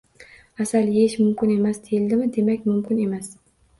«Asal yeyish mumkin emas», deyildimi, demak mumkin emas.